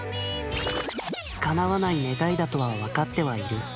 かなわない願いだとは分かってはいる。